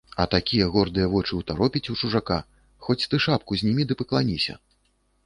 А такія гордыя вочы ўтаропіць у чужака, хоць ты шапку знімі ды пакланіся!